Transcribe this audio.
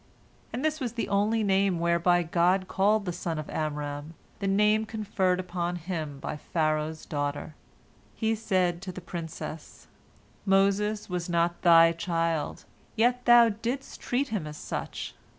And this was the only name whereby God called the son of Amram, the name conferred upon him by Pharaoh's daughter. He said to the princess: "Moses was not thy child, yet thou didst treat him as such.